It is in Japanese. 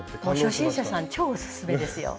初心者さん超オススメですよ。